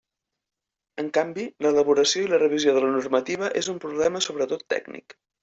En canvi, l'elaboració i la revisió de la normativa és un problema sobretot tècnic.